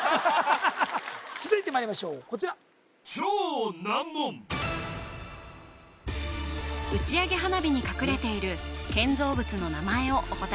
続いてまいりましょうこちら打ち上げ花火に隠れている建造物の名前をお答え